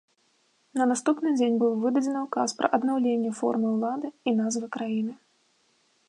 На наступны дзень быў выдадзены ўказ пра аднаўленне формы ўлады і назвы краіны.